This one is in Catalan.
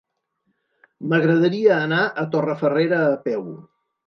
M'agradaria anar a Torrefarrera a peu.